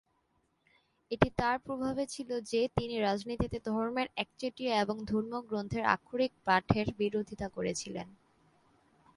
এটি তার প্রভাবে ছিল যে তিনি রাজনীতিতে ধর্মের একচেটিয়া এবং ধর্মীয় গ্রন্থের আক্ষরিক পাঠের বিরোধিতা করেছিলেন।